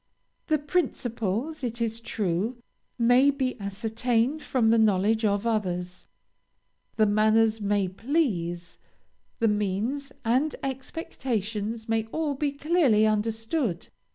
The principles, it is true, may be ascertained from the knowledge of others, the manners may please, the means and expectations may all be clearly understood.